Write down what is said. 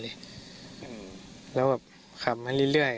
แล้วขับไว้เรื่อย